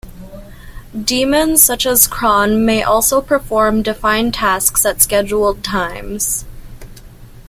Daemons such as cron may also perform defined tasks at scheduled times.